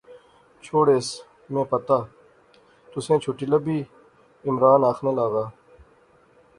چھوڑیس، میں پتہ، تسیں چٹھی لبی، عمران آخنے لاغآ